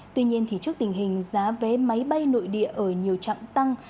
tuy nhiên trước tình hình giá vé máy bay nội địa ở nhiều trạng tăng